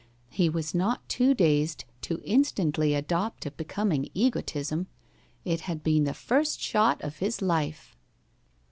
He was not too dazed to instantly adopt a becoming egotism. It had been the first shot of his life.